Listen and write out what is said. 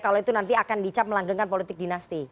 kalau itu nanti akan dicap melanggengkan politik dinasti